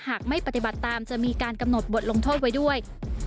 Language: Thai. หากไม่ปฏิบัติตามจะมีการกำหนดบทลงโทษไว้ด้วย